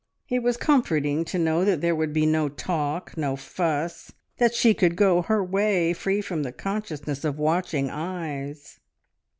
It was comforting to know that there would be no talk, no fuss; that she could go her way, free from the consciousness of watching eyes.